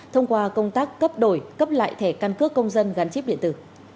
thông qua công tác cấp đổi cấp lại thẻ căn cước công dân gắn chip điện tử